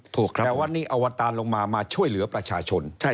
แปลว่านี้อวตารลงมามาช่วยเหลือประชาชน